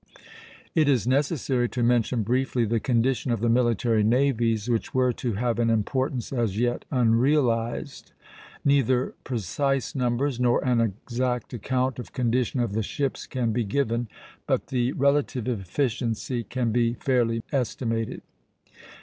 It is necessary to mention briefly the condition of the military navies, which were to have an importance as yet unrealized. Neither precise numbers nor an exact account of condition of the ships can be given; but the relative efficiency can be fairly estimated.